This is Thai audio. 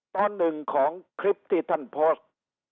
ตอนหนึ่งของคลิปที่ท่านโพสต์